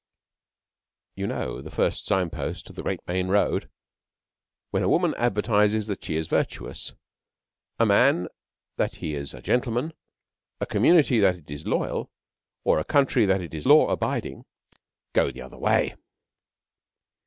You know the First Sign post on the Great Main Road? 'When a Woman advertises that she is virtuous, a Man that he is a gentleman, a Community that it is loyal, or a Country that it is law abiding go the other way!'